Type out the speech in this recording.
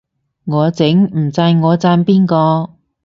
我整，唔讚我讚邊個